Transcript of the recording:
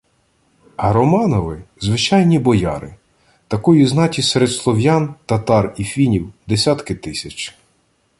А Романови – звичайні бояри, такої знаті серед слов'ян, татар і фінів – десятки тисяч